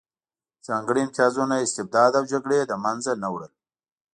ځانګړي امتیازونه، استبداد او جګړې یې له منځه نه وړل